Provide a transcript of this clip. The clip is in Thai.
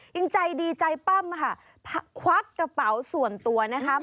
ยังใจดีใจปั้มค่ะควักกระเป๋าส่วนตัวนะคะ